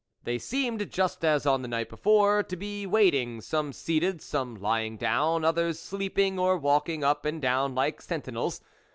They seemed, just as on the night before, to be waiting, some seated, some lying down, others sleeping or walking up and down like sentinels.